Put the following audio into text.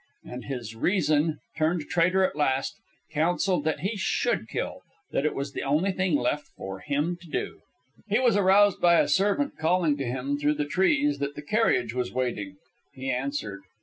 And his reason, turned traitor at last, counselled that he should kill, that it was the only thing left for him to do. He was aroused by a servant calling to him through the trees that the carriage was waiting. He answered.